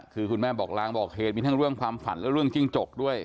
คือคุณแม่บอกลางบอกเหตุมีทั้งเรื่องความฝันและเรื่องจิ้งจกด้วย